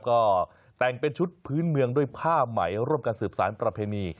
ก็แต่งเป็นชุดพื้นเมืองด้วยผ้าใหม่ร่วมกันสืบสารประเพณี